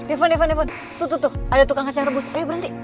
eh devon devon tuh tuh tuh ada tukang kacang rebus ayo berhenti